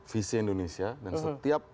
visi indonesia dan setiap